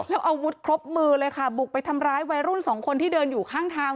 แล้วอาวุธครบมือเลยค่ะบุกไปทำร้ายวัยรุ่นสองคนที่เดินอยู่ข้างทาง